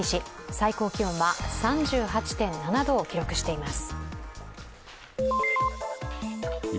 最高気温は３８．７度を記録しています。